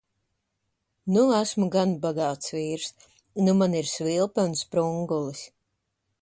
Nu esmu gan bagāts vīrs. Nu man ir svilpe un sprungulis!